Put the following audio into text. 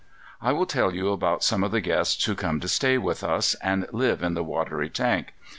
I will tell you about some of the guests who come to stay with us, and live in the watery tank.